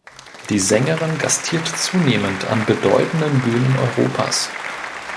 Die Sängerin gastiert zunehmend an bedeutenden Bühnen Europas.